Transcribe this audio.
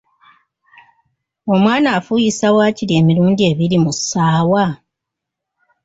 Omwana afuuyisa waakiri emirundi ebiri mu ssaawa ?